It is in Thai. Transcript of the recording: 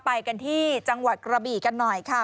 ไปกันที่จังหวัดกระบี่กันหน่อยค่ะ